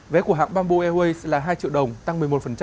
vé của hãng bamboo airways là hai triệu đồng tăng một mươi một